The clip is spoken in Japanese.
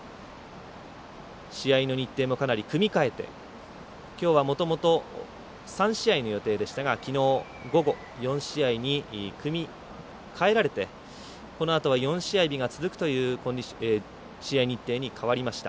試合の日程もかなり組み替えてきょうはもともと３試合の予定でしたがきのう午後４試合に組み替えられてこのあとは４試合日が続くという試合日程に変わりました。